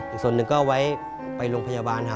อีกส่วนหนึ่งก็ไว้ไปโรงพยาบาลครับ